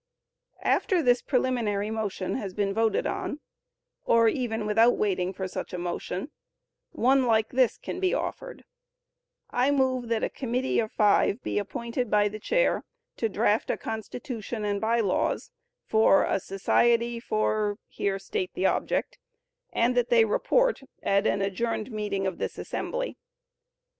After this preliminary motion has been voted on, or even without waiting for such motion, one like this can be offered: "I move that a committee of five be appointed by the Chair, to draft a Constitution and By Laws for a society for [here state the object], and that they report at an adjourned meeting of this assembly."